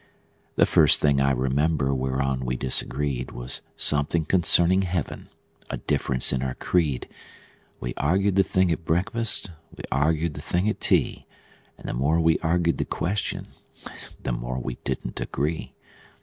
The first thing I remember whereon we disagreed Was something concerning heaven a difference in our creed; We arg'ed the thing at breakfast, we arg'ed the thing at tea, And the more we arg'ed the question the more we didn't agree.